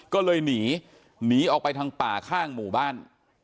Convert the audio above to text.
ก็เลยหนีหนีออกไปทางป่าข้างหมู่บ้าน